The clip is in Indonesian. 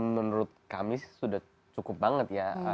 menurut kami sudah cukup banget ya